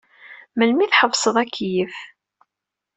Melmi teḥbseḍ akeyyef?